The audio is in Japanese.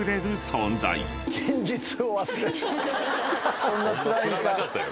そんなつらなかったやん